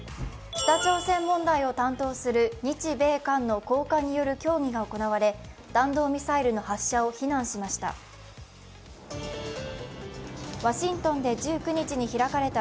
北朝鮮問題を担当する日米韓の高官による協議が行われ弾道ミサイルの発射を非難しました。